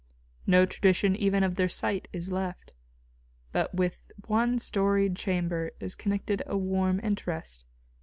No tradition even of their site is left. But with one storied chamber is connected a warm interest.